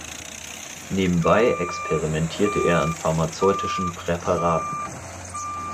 Nebenbei experimentierte er an pharmazeutischen Präparaten.